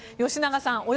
吉永さん